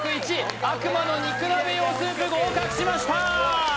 悪魔の肉鍋用スープ合格しました！